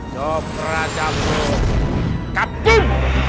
dokter aja buka tim